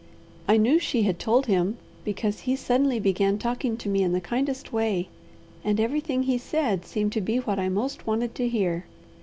I knew she had told him, because he suddenly began talking to me in the kindest way, and everything he said seemed to be what I most wanted to hear.